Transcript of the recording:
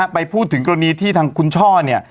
ไปพูดถึงกรณีที่ทางคุณช่อเนี่ย